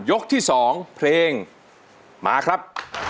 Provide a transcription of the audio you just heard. ยกที่๒เพลงมาครับ